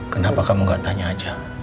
kenapa kamu gak tanya aja